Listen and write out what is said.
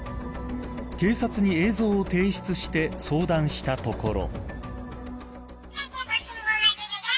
警察に映像を提出して相談したところ。